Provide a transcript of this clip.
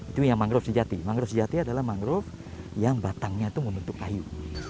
itu yang mangrove sejati mangrove sejati adalah mangrove yang batangnya itu membentuk kayu